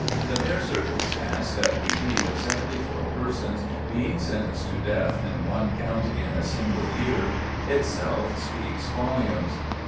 The mere circumstance that we read of seventy four persons being sentenced to death in one county in a single year, itself speaks volumes.